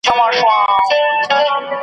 په ایرو کي ګوتي مه وهه اور به پکښې وي